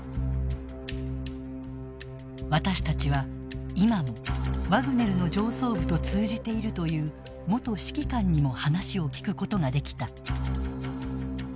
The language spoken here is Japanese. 私たちは、今もワグネルの上層部と通じているという元指揮官にも話を聞くことができた。